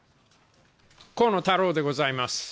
河野太郎でございます。